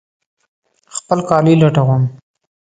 خپل کالي لټوم